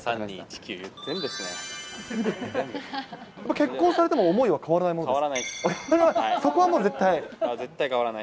結婚されても思いは変わらな変わらない。